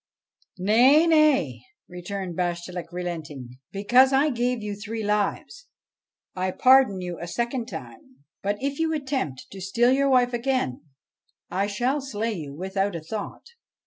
' Nay, nay I ' returned Bashtchelik, relenting. ' Because I gave you three lives, I pardon you a second time ; but, if you attempt to steal your wife again, I shall slay you without a thought.'